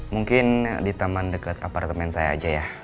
mungkin di taman dekat apartemen saya aja ya